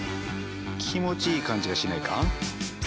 気持ちいい感じがしないか？